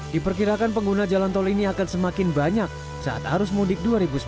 diperkirakan pengguna jalan tol ini akan semakin banyak saat arus mudik dua ribu sembilan belas